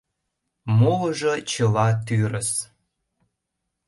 — Молыжо чыла тӱрыс.